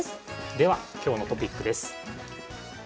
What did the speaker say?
では今日のトピックです。